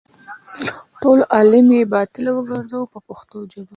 ټول عالم یې له باطله وګرځاوه په پښتو ژبه.